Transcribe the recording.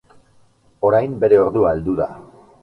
Orain, bere ordua heldu da.